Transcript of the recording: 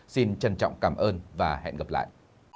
xin trân trọng cảm ơn và hẹn gặp lại